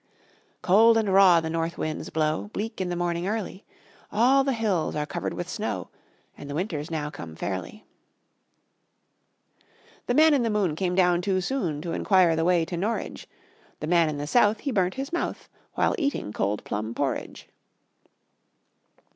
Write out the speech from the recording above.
Cold and raw the north winds blow Bleak in the morning early, All the hills are covered with snow, And winter's now come fairly. The man in the moon came down too soon To inquire the way to Norridge; The man in the south, he burnt his mouth With eating cold plum porridge.